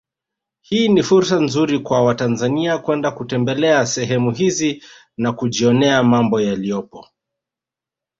Hii ni fursa nzuri kwa watanzania kwenda kutembelea sehemu hizi na kujionea mambo yaliyopo